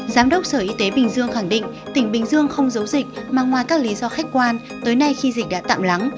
giám đốc sở y tế bình dương khẳng định tỉnh bình dương không giấu dịch mà ngoài các lý do khách quan tới nay khi dịch đã tạm lắng